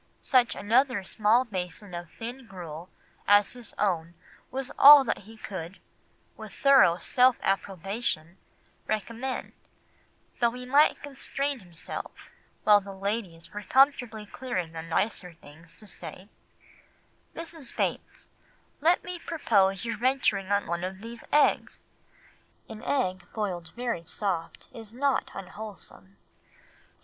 Such another small basin of thin gruel as his own was all that he could, with thorough self approbation, recommend; though he might constrain himself, while the ladies were comfortably clearing the nicer things, to say— "'Mrs. Bates, let me propose your venturing on one of these eggs. An egg boiled very soft is not unwholesome.